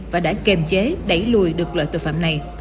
và đã kiềm chế đẩy lùi được loại tội phạm này